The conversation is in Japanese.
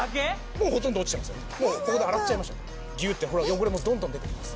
もうここで洗っちゃいましょうギューッてほら汚れもどんどん出てます